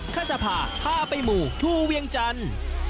ขชภาพาไปหมู่ทูเวียงจันทร์